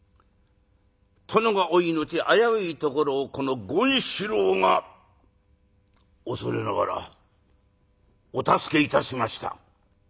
「殿がお命危ういところをこの権四郎が恐れながらお助けいたしました。